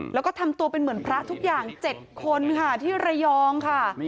แล้วก็ทำตัวเป็นเหมือนพระทุกอย่าง๗คนค่ะที่ระยองค่ะ